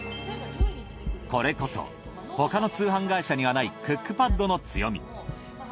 これこそ他の通販会社にはないクックパッドの強み。